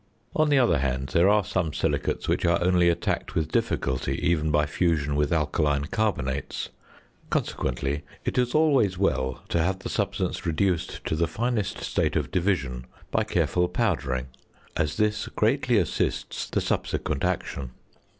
On the other hand, there are some silicates which are only attacked with difficulty even by fusion with alkaline carbonates; consequently, it is always well to have the substance reduced to the finest state of division by careful powdering, as this greatly assists the subsequent action.